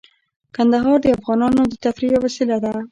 کندهار د افغانانو د تفریح یوه وسیله ده.